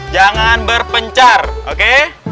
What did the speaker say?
jangan berpencar oke